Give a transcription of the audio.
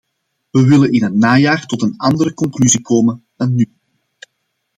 We willen in het najaar tot een andere conclusie komen dan nu.